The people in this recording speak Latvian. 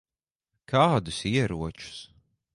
Kādus ieročus?